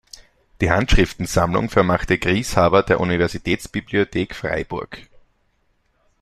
Die Handschriftensammlung vermachte Grieshaber der Universitätsbibliothek Freiburg.